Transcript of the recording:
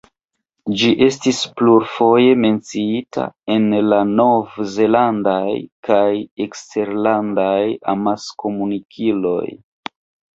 Ĝi estis plurfoje menciita en la nov-zelandaj kaj eksterlandaj amaskomunikiloj.